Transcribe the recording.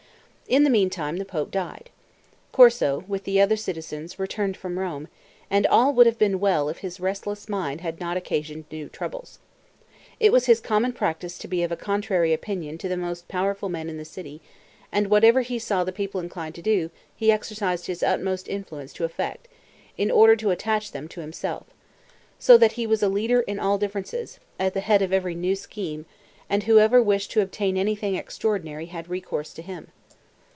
In the meantime the pope died. Corso, with the other citizens, returned from Rome; and all would have been well if his restless mind had not occasioned new troubles. It was his common practice to be of a contrary opinion to the most powerful men in the city; and whatever he saw the people inclined to do, he exercised his utmost influence to effect, in order to attach them to himself; so that he was a leader in all differences, at the head of every new scheme, and whoever wished to obtain anything extraordinary had recourse to him.